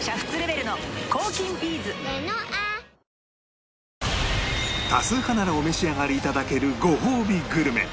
ニトリ多数派ならお召し上がり頂けるごほうびグルメ